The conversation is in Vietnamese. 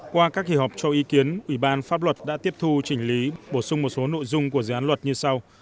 qua các kỳ họp cho ý kiến ủy ban pháp luật đã tiếp thu chỉnh lý bổ sung một số nội dung của dự án luật như sau